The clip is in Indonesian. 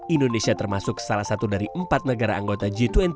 indonesia termasuk salah satu dari empat negara anggota g dua puluh